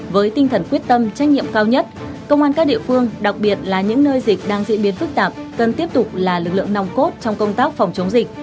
với tinh thần quyết tâm trách nhiệm cao nhất công an các địa phương đặc biệt là những nơi dịch đang diễn biến phức tạp cần tiếp tục là lực lượng nòng cốt trong công tác phòng chống dịch